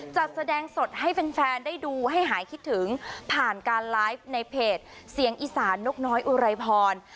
จัดแสดงสดให้แฟนได้ดูให้หายคิดถึงผ่านการไลฟ์ในเพจเสียงอีสานนกน้อยอุไรพร